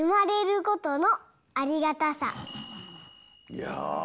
いや。